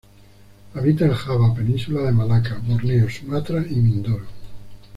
Habita en Java, Península de Malaca, Borneo, Sumatra y Mindoro.